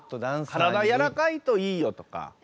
体やわらかいといいよとか。